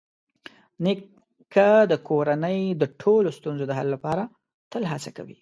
نیکه د کورنۍ د ټولو ستونزو د حل لپاره تل هڅه کوي.